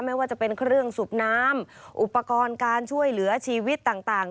ไม่ว่าจะเป็นเครื่องสูบน้ำอุปกรณ์การช่วยเหลือชีวิตต่าง